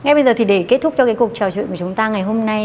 ngay bây giờ thì để kết thúc cho cái cuộc trò chuyện của chúng ta ngày hôm nay